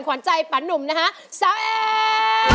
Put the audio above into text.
ขวานใจปันหนุ่มนะฮะซาวเอง